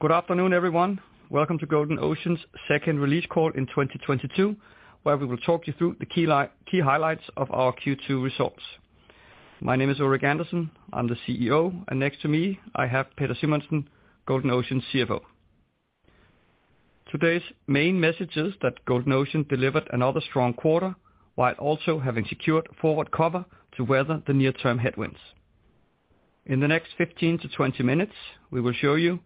Good afternoon, everyone. Welcome to Golden Ocean's second release call in 2022, where we will talk you through the key highlights of our Q2 results. My name is Ulrik Andersen, I'm the CEO. Next to me, I have Peder Simonsen, Golden Ocean CFO. Today's main message is that Golden Ocean delivered another strong quarter, while also having secured forward cover to weather the near-term headwinds. In the next 15-20 minutes, we will show you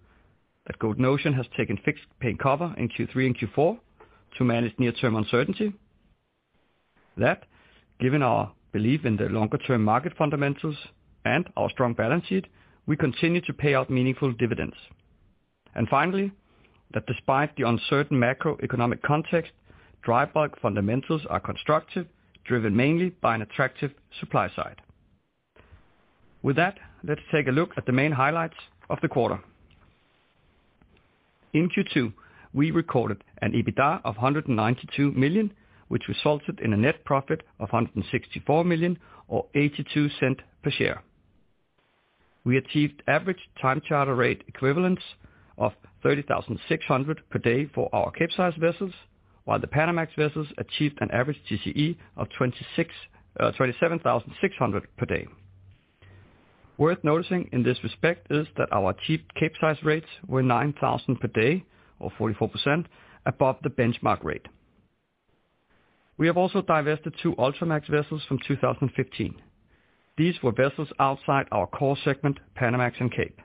that Golden Ocean has taken fixed paying cover in Q3 and Q4 to manage near-term uncertainty. That, given our belief in the longer-term market fundamentals and our strong balance sheet, we continue to pay out meaningful dividends. Finally, that despite the uncertain macroeconomic context, dry bulk fundamentals are constructive, driven mainly by an attractive supply side. With that, let's take a look at the main highlights of the quarter. In Q2, we recorded an EBITDA of $192 million, which resulted in a net profit of $164 million or $0.82 per share. We achieved average time charter rate equivalents of $30,600 per day for our Capesize vessels, while the Panamax vessels achieved an average TCE of $27,600 per day. Worth noticing in this respect is that our achieved Capesize rates were $9,000 per day or 44% above the benchmark rate. We have also divested two Ultramax vessels from 2015. These were vessels outside our core segment, Panamax and Capes.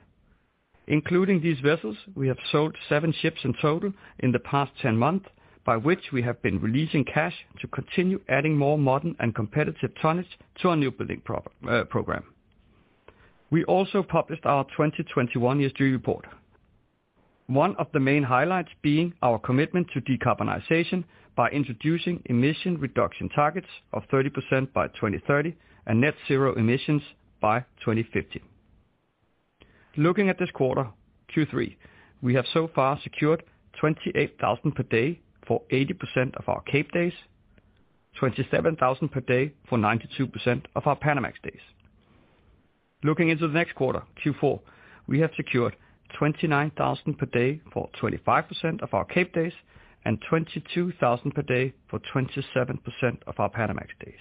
Including these vessels, we have sold seven ships in total in the past 10 months, by which we have been releasing cash to continue adding more modern and competitive tonnage to our new building program. We also published our 2021 year's yearly report. One of the main highlights being our commitment to decarbonization by introducing emission reduction targets of 30% by 2030 and net zero emissions by 2050. Looking at this quarter, Q3, we have so far secured $28,000 per day for 80% of our Cape days, $27,000 per day for 92% of our Panamax days. Looking into the next quarter, Q4, we have secured $29,000 per day for 25% of our Cape days and $22,000 per day for 27% of our Panamax days.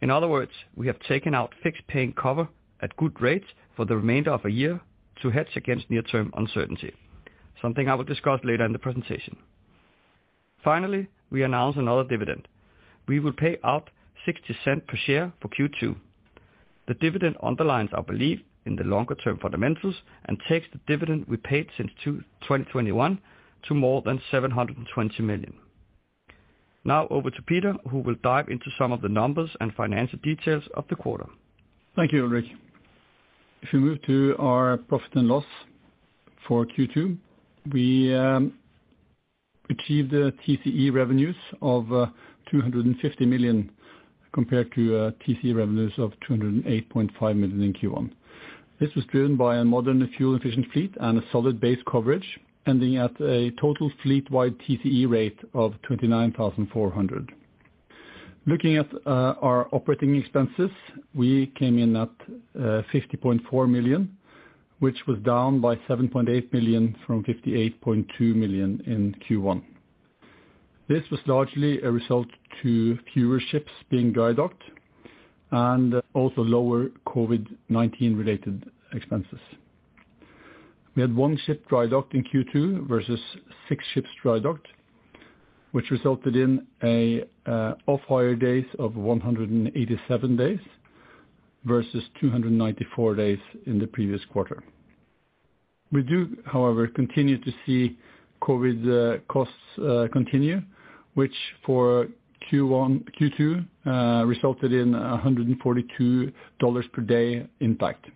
In other words, we have taken out fixed paying cover at good rates for the remainder of a year to hedge against near-term uncertainty, something I will discuss later in the presentation. Finally, we announce another dividend. We will pay out $0.60 per share for Q2. The dividend underlines our belief in the longer term fundamentals and takes the dividend we paid since 2021 to more than $720 million. Now over to Peder Simonsen, who will dive into some of the numbers and financial details of the quarter. Thank you, Ulrik. If we move to our profit and loss for Q2, we achieved the TCE revenues of $250 million compared to TCE revenues of $208.5 million in Q1. This was driven by a modern fuel efficient fleet and a solid base coverage, ending at a total fleet-wide TCE rate of $29,400. Looking at our operating expenses, we came in at $50.4 million, which was down by $7.8 million from $58.2 million in Q1. This was largely a result to fewer ships being dry docked and also lower COVID-19 related expenses. We had one ship drydocked in Q2 versus six ships drydocked, which resulted in off-hire days of 187 days versus 294 days in the previous quarter. We do, however, continue to see COVID costs continue, which for Q2 resulted in a $142 per day impact.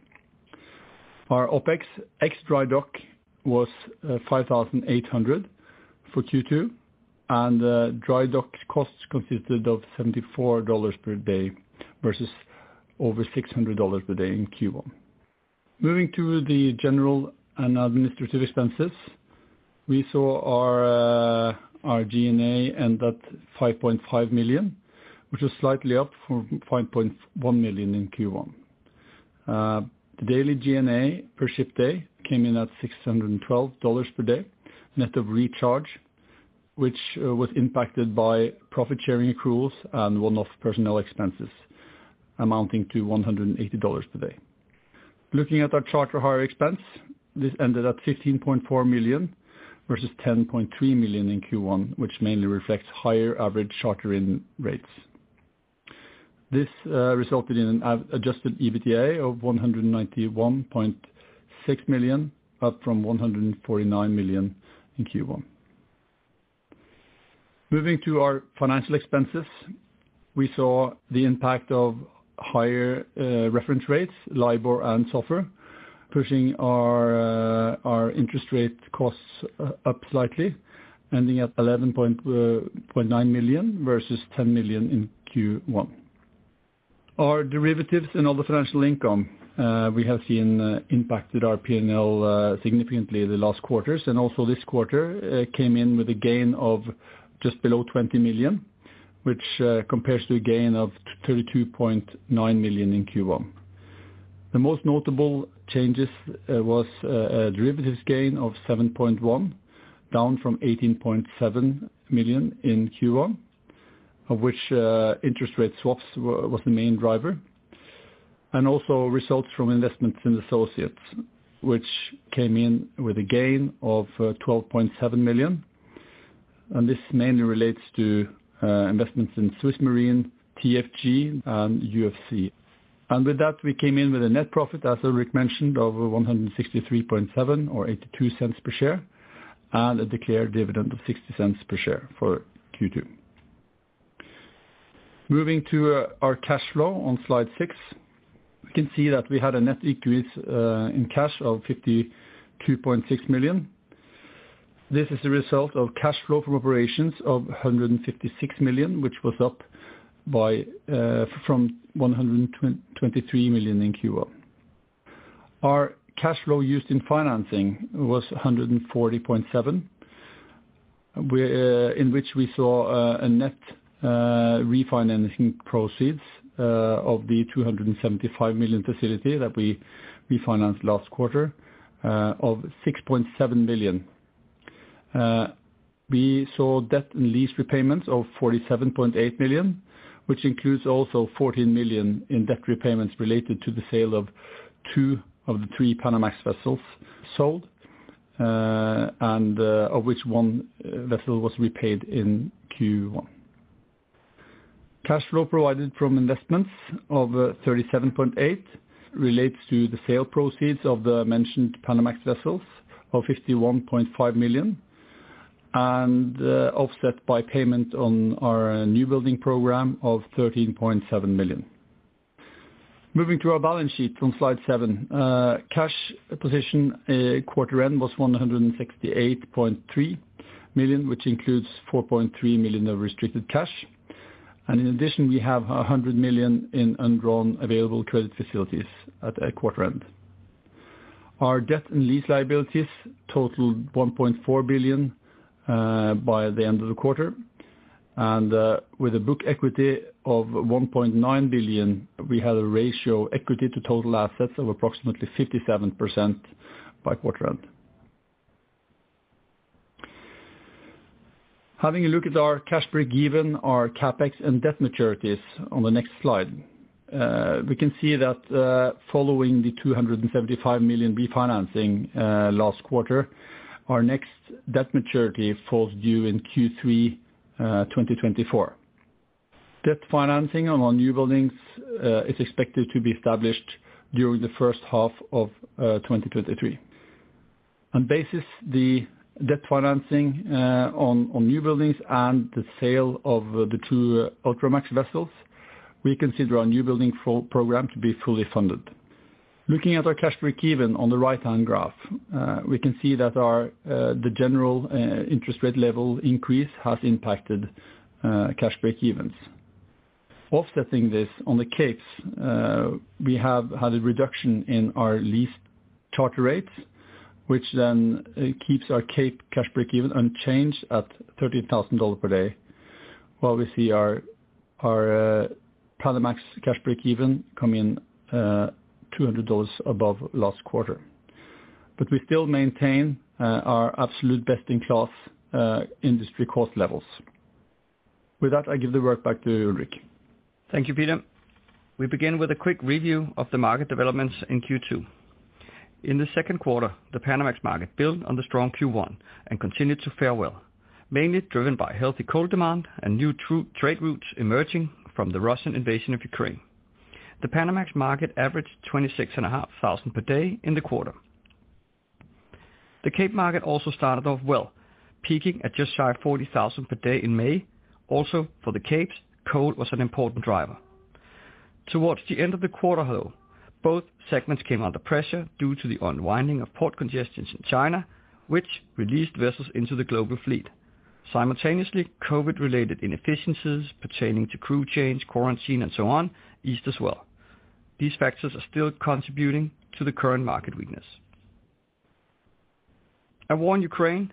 Our OpEx, ex dry dock was $5,800 for Q2, and dry dock costs consisted of $74 per day versus over $600 per day in Q1. Moving to the general and administrative expenses, we saw our G&A end at $5.5 million, which is slightly up from $5.1 million in Q1. The daily G&A per ship day came in at $612 per day net of recharge, which was impacted by profit sharing accruals and one-off personnel expenses amounting to $180 per day. Looking at our charter hire expense, this ended at $15.4 million versus $10.3 million in Q1, which mainly reflects higher average charter in rates. This resulted in an adjusted EBITDA of $191.6 million, up from $149 million in Q1. Moving to our financial expenses, we saw the impact of higher reference rates, LIBOR and SOFR, pushing our interest rate costs up slightly, ending at $11.9 million versus $10 million in Q1. Our derivatives and other financial income we have seen impacted our P&L significantly the last quarters, and also this quarter came in with a gain of just below $20 million, which compares to a gain of $32.9 million in Q1. The most notable changes was a derivatives gain of $7.1 million, down from $18.7 million in Q1, of which interest rate swaps was the main driver. Also results from investments in associates, which came in with a gain of $12.7 million. This mainly relates to investments in SwissMarine, TFG and UFC. With that, we came in with a net profit, as Ulrik mentioned, of $163.7 million or $0.82 per share, and a declared dividend of $0.60 per share for Q2. Moving to our cash flow on slide six. We can see that we had a net increase in cash of $52.6 million. This is a result of cash flow from operations of $156 million, which was up from $123 million in Q1. Our cash flow used in financing was $140.7 million, in which we saw a net refinancing proceeds of the $275 million facility that we financed last quarter of $6.7 million. We saw debt and lease repayments of $47.8 million, which includes also $14 million in debt repayments related to the sale of two of the three Panamax vessels sold, and of which one vessel was repaid in Q1. Cash flow provided from investments of $37.8 million relates to the sale proceeds of the mentioned Panamax vessels of $51.5 million and offset by payment on our new building program of $13.7 million. Moving to our balance sheet on slide seven. Cash position quarter end was $168.3 million, which includes $4.3 million of restricted cash. In addition, we have $100 million in undrawn available credit facilities at quarter end. Our debt and lease liabilities totaled $1.4 billion by the end of the quarter. With a book equity of $1.9 billion, we had a ratio equity to total assets of approximately 57% by quarter end. Having a look at our cash bridge given our CapEx and debt maturities on the next slide. We can see that, following the $275 million refinancing last quarter, our next debt maturity falls due in Q3 2024. Debt financing on our new buildings is expected to be established during the first half of 2023. On the baisi of the debt financing on new buildings and the sale of the two Ultramax vessels, we consider our newbuilding program to be fully funded. Looking at our cash breakeven on the right-hand graph, we can see that the general interest rate level increase has impacted cash breakevens. Offsetting this on the capes, we have had a reduction in our lease charter rates, which then keeps our cape cash break even unchanged at $30,000 per day, while we see our Panamax cash break even come in $200 above last quarter. We still maintain our absolute best in class industry cost levels. With that, I give the word back to Ulrik. Thank you, Peter. We begin with a quick review of the market developments in Q2. In the second quarter, the Panamax market built on the strong Q1 and continued to fare well, mainly driven by healthy coal demand and new trade routes emerging from the Russian invasion of Ukraine. The Panamax market averaged $26,500 per day in the quarter. The Cape Market also started off well, peaking at just shy of $40,000 per day in May. Also, for the Capes, coal was an important driver. Towards the end of the quarter, though, both segments came under pressure due to the unwinding of port congestions in China, which released vessels into the global fleet. Simultaneously, COVID-related inefficiencies pertaining to crew change, quarantine and so on, eased as well. These factors are still contributing to the current market weakness. A war in Ukraine,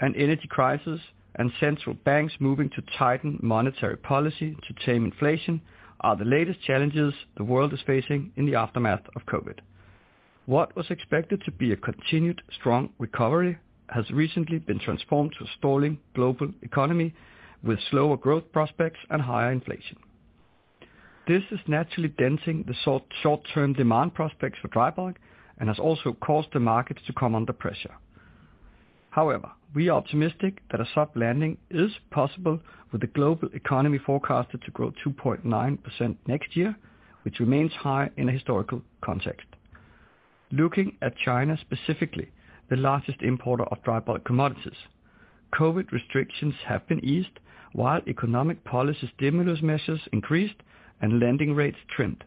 an energy crisis and central banks moving to tighten monetary policy to tame inflation are the latest challenges the world is facing in the aftermath of COVID. What was expected to be a continued strong recovery has recently been transformed to a stalling global economy with slower growth prospects and higher inflation. This is naturally denting the short-term demand prospects for dry bulk and has also caused the markets to come under pressure. However, we are optimistic that a soft landing is possible with the global economy forecasted to grow 2.9% next year, which remains high in a historical context. Looking at China specifically, the largest importer of dry bulk commodities. COVID restrictions have been eased while economic policy stimulus measures increased and lending rates trimmed.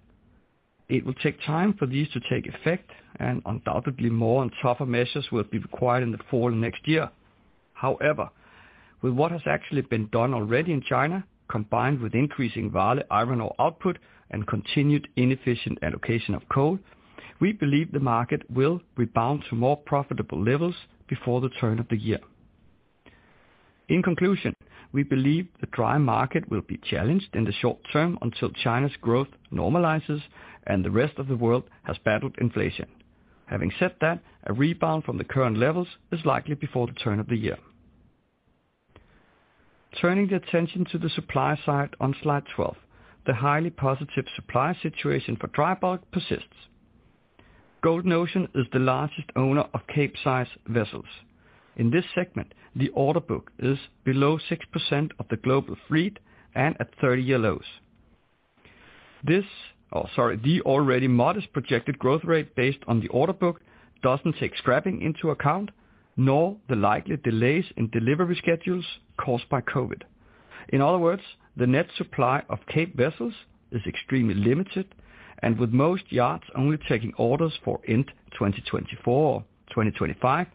It will take time for these to take effect and undoubtedly more and tougher measures will be required in the fall of next year. However, with what has actually been done already in China, combined with increasing iron ore output and continued inefficient allocation of coal, we believe the market will rebound to more profitable levels before the turn of the year. In conclusion, we believe the dry market will be challenged in the short term until China's growth normalizes and the rest of the world has battled inflation. Having said that, a rebound from the current levels is likely before the turn of the year. Turning the attention to the supply side on slide 12, the highly positive supply situation for dry bulk persists. Golden Ocean is the largest owner of Capesize vessels. In this segment, the order book is below 6% of the global fleet and at 30-year lows. The already modest projected growth rate based on the order book doesn't take scrapping into account, nor the likely delays in delivery schedules caused by Covid. In other words, the net supply of Cape vessels is extremely limited, and with most yards only taking orders for end 2024 or 2025,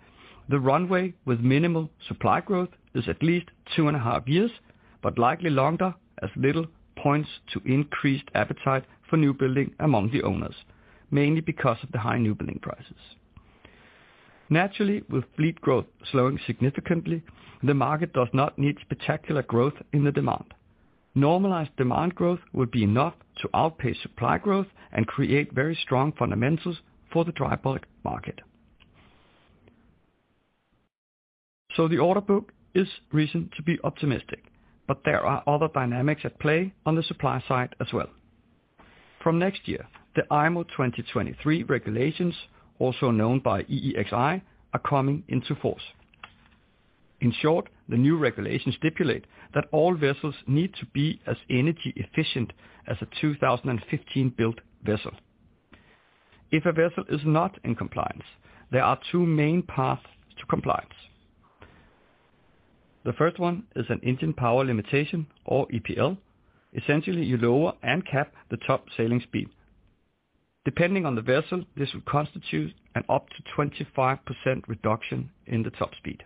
the runway with minimal supply growth is at least two and a half years, but likely longer as little points to increased appetite for new building among the owners, mainly because of the high new building prices. Naturally, with fleet growth slowing significantly, the market does not need spectacular growth in the demand. Normalized demand growth would be enough to outpace supply growth and create very strong fundamentals for the dry bulk market. The order book is reason to be optimistic, but there are other dynamics at play on the supply side as well. From next year, the IMO 2023 regulations, also known by EEXI, are coming into force. In short, the new regulations stipulate that all vessels need to be as energy efficient as a 2015-built vessel. If a vessel is not in compliance, there are two main paths to compliance. The first one is an engine power limitation or EPL. Essentially, you lower and cap the top sailing speed. Depending on the vessel, this will constitute an up to 25% reduction in the top speed.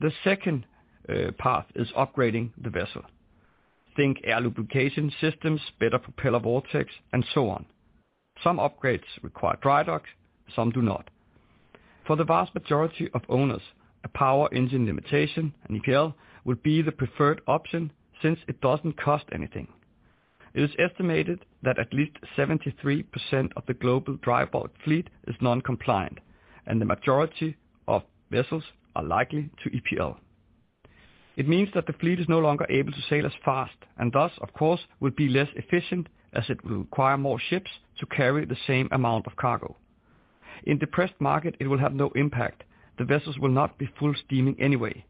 The second path is upgrading the vessel. Think air lubrication systems, better propeller vortex, and so on. Some upgrades require dry docks, some do not. For the vast majority of owners, a power engine limitation, an EPL, would be the preferred option since it doesn't cost anything. It is estimated that at least 73% of the global dry bulk fleet is non-compliant, and the majority of vessels are likely to EPL. It means that the fleet is no longer able to sail as fast and thus, of course, will be less efficient as it will require more ships to carry the same amount of cargo. In depressed market, it will have no impact. The vessels will not be full steaming anyway.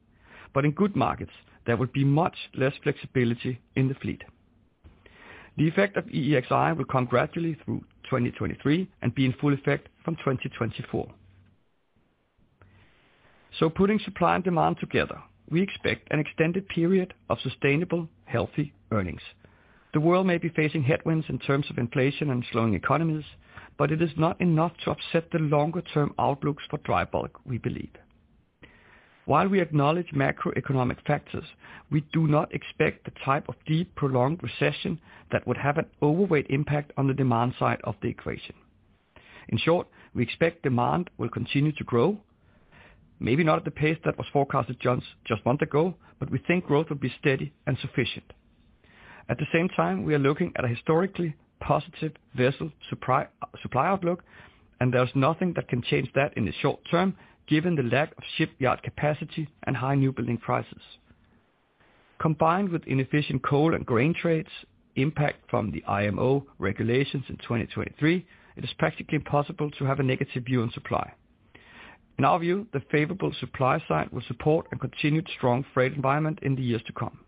In good markets, there will be much less flexibility in the fleet. The effect of EEXI will come gradually through 2023 and be in full effect from 2024. Putting supply and demand together, we expect an extended period of sustainable, healthy earnings. The world may be facing headwinds in terms of inflation and slowing economies, but it is not enough to upset the longer term outlooks for dry bulk, we believe. While we acknowledge macroeconomic factors, we do not expect the type of deep, prolonged recession that would have an overweight impact on the demand side of the equation. In short, we expect demand will continue to grow, maybe not at the pace that was forecasted just months ago, but we think growth will be steady and sufficient. At the same time, we are looking at a historically positive vessel supply outlook, and there's nothing that can change that in the short term, given the lack of shipyard capacity and high new building prices. Combined with inefficient coal and grain trades impact from the IMO regulations in 2023, it is practically impossible to have a negative view on supply. In our view, the favorable supply side will support a continued strong freight environment in the years to come.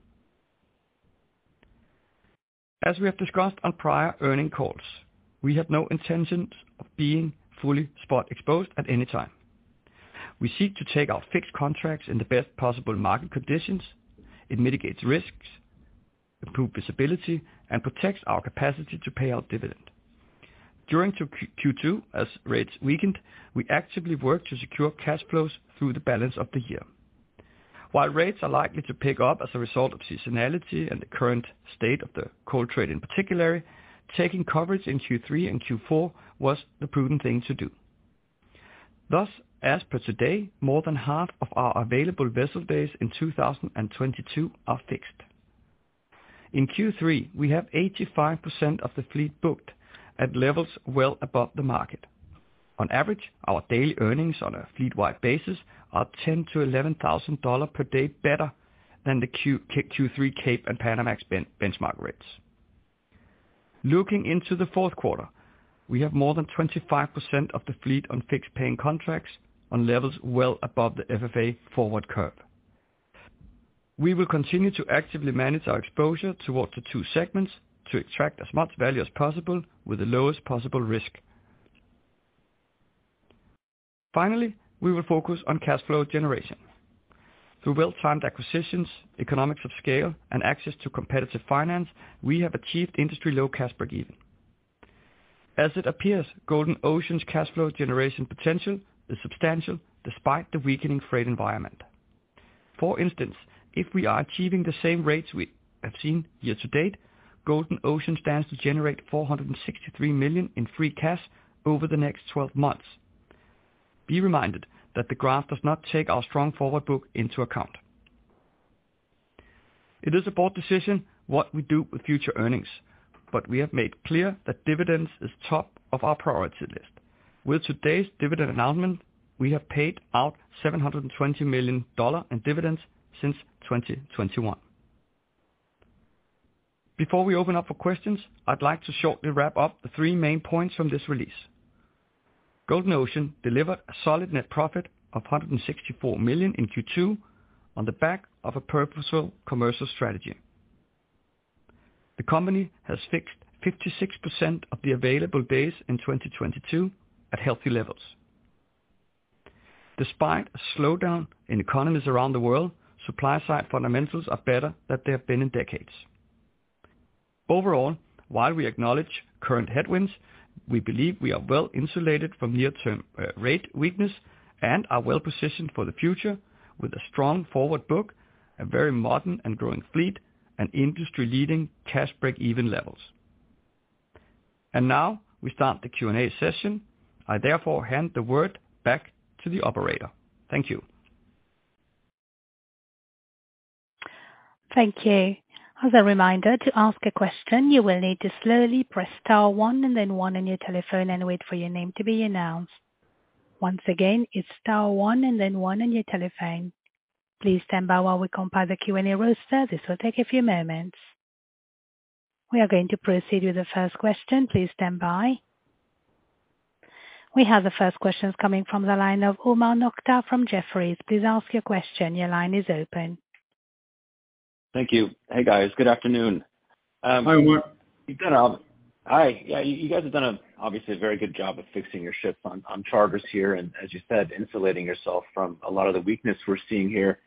As we have discussed on prior earnings calls, we had no intentions of being fully spot exposed at any time. We seek to take our fixed contracts in the best possible market conditions. It mitigates risks, improve visibility, and protects our capacity to pay out dividend. During Q1-Q2, as rates weakened, we actively worked to secure cash flows through the balance of the year. While rates are likely to pick up as a result of seasonality and the current state of the coal trade in particular, taking coverage in Q3 and Q4 was the prudent thing to do. Thus, as per today, more than half of our available vessel days in 2022 are fixed. In Q3, we have 85% of the fleet booked at levels well above the market. On average, our daily earnings on a fleet-wide basis are $10,000-$11,000 per day better than the Q3 Cape and Panamax benchmark rates. Looking into the fourth quarter, we have more than 25% of the fleet on fixed paying contracts on levels well above the FFA forward curve. We will continue to actively manage our exposure towards the two segments to extract as much value as possible with the lowest possible risk. Finally, we will focus on cash flow generation. Through well-timed acquisitions, economies of scale, and access to competitive finance, we have achieved industry-low cash break even. As it appears, Golden Ocean's cash flow generation potential is substantial despite the weakening freight environment. For instance, if we are achieving the same rates we have seen year to date, Golden Ocean Group stands to generate $463 million in free cash over the next 12 months. Be reminded that the graph does not take our strong forward book into account. It is a board decision what we do with future earnings, but we have made clear that dividends is top of our priority list. With today's dividend announcement, we have paid out $720 million dollars in dividends since 2021. Before we open up for questions, I'd like to shortly wrap up the three main points from this release. Golden Ocean Group delivered a solid net profit of $164 million in Q2 on the back of a purposeful commercial strategy. The company has fixed 56% of the available days in 2022 at healthy levels. Despite a slowdown in economies around the world, supply side fundamentals are better than they have been in decades. Overall, while we acknowledge current headwinds, we believe we are well-insulated from near-term rate weakness and are well-positioned for the future with a strong forward book, a very modern and growing fleet, and industry-leading cash breakeven levels. Now we start the Q&A session. I therefore hand the word back to the operator. Thank you. Thank you. As a reminder, to ask a question, you will need to slowly press star one and then one on your telephone and wait for your name to be announced. Once again, it's star one and then one on your telephone. Please stand by while we compile the Q&A roster. This will take a few moments. We are going to proceed with the first question. Please stand by. We have the first question coming from the line of Omar Nokta from Jefferies. Please ask your question. Your line is open. Thank you. Hey, guys. Good afternoon. Hi, Omar. Hi. Yeah, you guys have done a, obviously a very good job of fixing your ships on charters here, and as you said, insulating yourself from a lot of the weakness we're seeing here.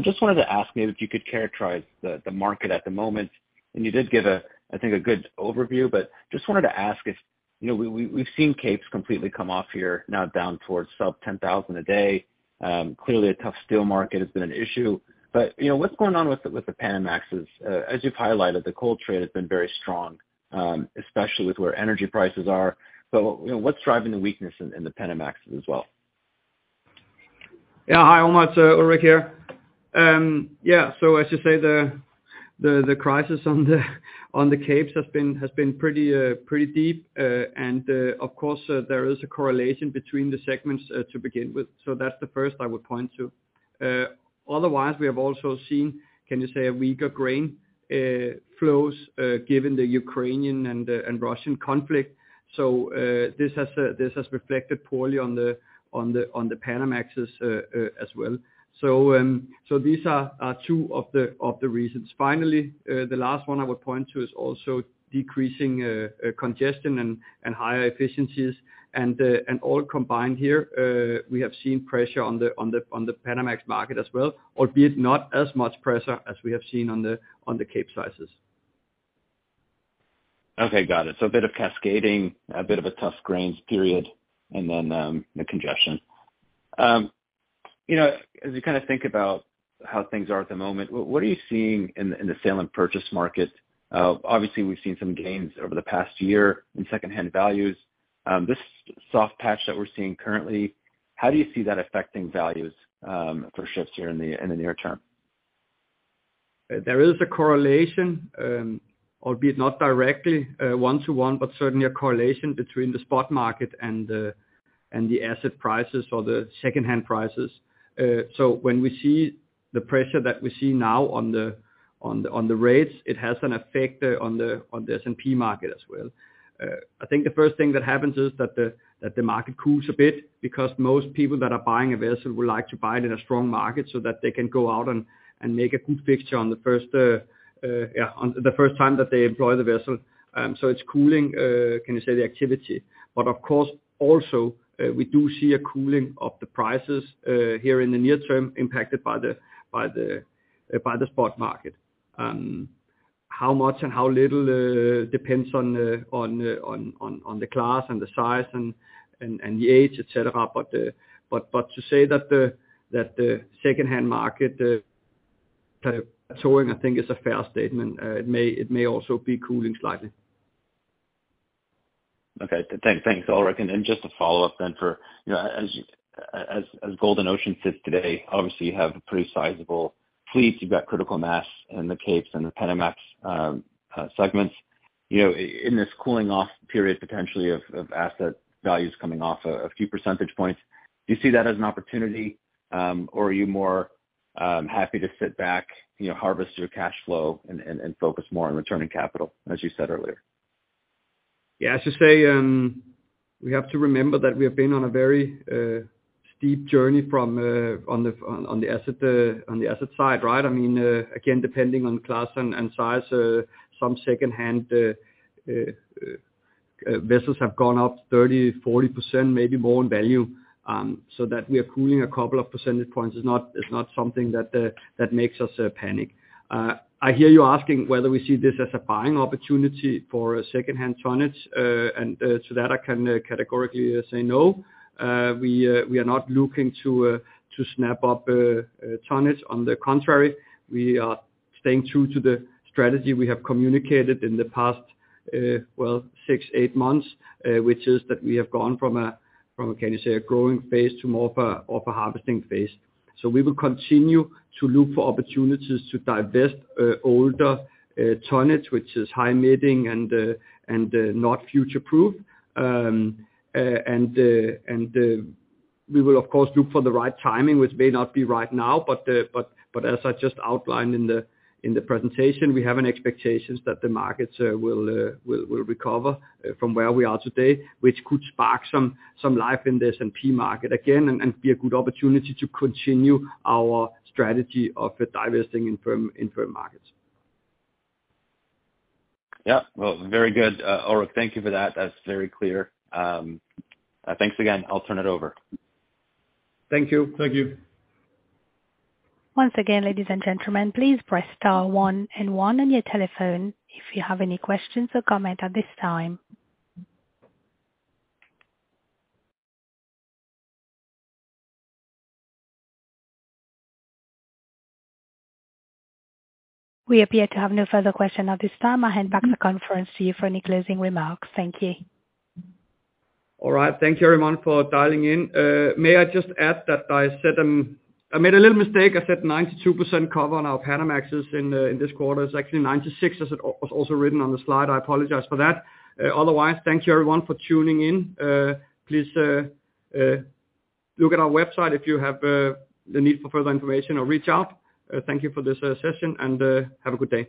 Just wanted to ask maybe if you could characterize the market at the moment. You did give a, I think, a good overview, but just wanted to ask if, you know, we've seen Capes completely come off here, now down towards sub-10,000 a day. Clearly a tough steel market has been an issue, but, you know, what's going on with the Panamaxes? As you've highlighted, the coal trade has been very strong, especially with where energy prices are. You know, what's driving the weakness in the Panamax as well? Yeah. Hi, Omar. It's Ulrik here. Yeah, so as you say, the crisis on the Capes has been pretty deep. Of course, there is a correlation between the segments to begin with. That's the first I would point to. Otherwise, we have also seen, say, a weaker grain flows given the Ukrainian and Russian conflict. This has reflected poorly on the Panamaxes as well. These are two of the reasons. Finally, the last one I would point to is also decreasing congestion and higher efficiencies. All combined here, we have seen pressure on the Panamax market as well, albeit not as much pressure as we have seen on the Capesize sizes. Okay. Got it. A bit of cascading, a bit of a tough grains period, and then the congestion. You know, as you kinda think about how things are at the moment, what are you seeing in the sale and purchase market? Obviously we've seen some gains over the past year in secondhand values. This soft patch that we're seeing currently, how do you see that affecting values for ships here in the near term? There is a correlation, albeit not directly, one to one, but certainly a correlation between the spot market and the asset prices or the secondhand prices. When we see the pressure that we see now on the rates, it has an effect on the S&P market as well. I think the first thing that happens is that the market cools a bit because most people that are buying a vessel would like to buy it in a strong market so that they can go out and make a good fixture on the first time that they employ the vessel. It's cooling, you can say, the activity. Of course, also, we do see a cooling of the prices here in the near term impacted by the spot market. How much and how little depends on the class and the size and the age, et cetera. To say that the secondhand market kind of slowing I think is a fair statement. It may also be cooling slightly. Okay. Thanks, Ulrik. Just a follow-up then for, you know, as Golden Ocean sits today, obviously you have a pretty sizable fleet. You've got critical mass in the Capes and the Panamax segments. You know, in this cooling off period potentially of asset values coming off a few percentage points, do you see that as an opportunity, or are you more happy to sit back, you know, harvest your cash flow and focus more on returning capital, as you said earlier? Yeah. As you say, we have to remember that we have been on a very steep journey on the asset side, right? I mean, again, depending on class and size, some secondhand vessels have gone up 30-40%, maybe more in value. That we are cooling a couple of percentage points is not something that makes us panic. I hear you asking whether we see this as a buying opportunity for secondhand tonnage. To that I can categorically say no. We are not looking to snap up tonnage. On the contrary, we are staying true to the strategy we have communicated in the past, well, six-eight months, which is that we have gone from a growing phase to more of a harvesting phase. We will continue to look for opportunities to divest older tonnage, which is high maintenance and not future-proof. We will of course look for the right timing, which may not be right now, but as I just outlined in the presentation, we have expectations that the markets will recover from where we are today, which could spark some life in the S&P market again and be a good opportunity to continue our strategy of divesting in firm markets. Yeah. Well, very good. Ulrik, thank you for that. That's very clear. Thanks again. I'll turn it over. Thank you. Once again, ladies and gentlemen, please press star one and one on your telephone if you have any questions or comment at this time. We appear to have no further question at this time. I hand back the conference to you for any closing remarks. Thank you. All right. Thank you everyone for dialing in. May I just add that I said I made a little mistake. I said 92% cover on our Panamaxes in this quarter. It's actually 96% as it was also written on the slide. I apologize for that. Otherwise, thank you everyone for tuning in. Please look at our website if you have the need for further information or reach out. Thank you for this session and have a good day.